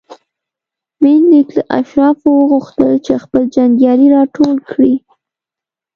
منیلیک له اشرافو وغوښتل چې خپل جنګیالي راټول کړي.